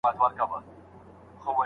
مشران د نویو تړونونو په متن کي څه شاملوي؟